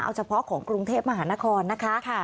เอาเฉพาะของกรุงเทพมหานครนะคะ